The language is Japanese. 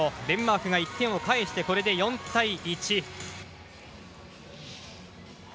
デンマークが１点を返してこれで４対１。